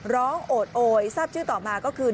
โอดโอยทราบชื่อต่อมาก็คือ